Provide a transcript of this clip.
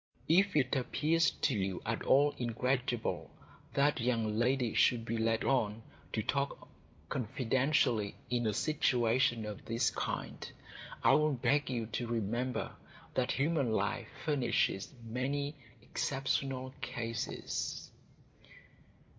If it appears to you at all incredible that young ladies should be led on to talk confidentially in a situation of this kind, I will beg you to remember that human life furnishes many exceptional cases.